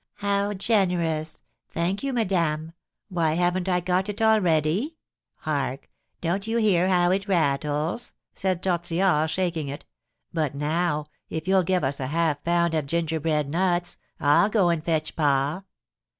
"How generous! Thank ye, madame. Why, haven't I got it already? Hark! Don't you hear how it rattles?" said Tortillard, shaking it. "But now, if you'll give us half a pound of gingerbread nuts, I'll go and fetch pa."